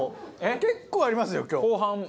結構ありますよ今日。